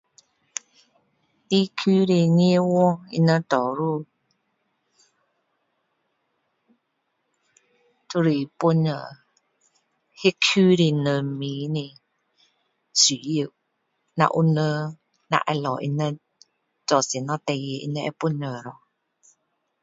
地区的议员他们多数都是帮助那一区的人民的需要如果人要找他们做什么事情他们会帮助咯